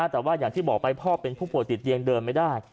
แต่ว่าอย่างที่บอกไปพ่อเป็นผู้ป่วยติดเตียงเดินไม่ได้